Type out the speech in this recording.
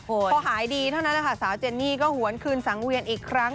พอหายดีเท่านั้นนะคะสาวเจนนี่ก็หวนคืนสังเวียนอีกครั้ง